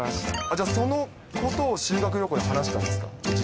じゃあ、そのこと修学旅行で話したんですか？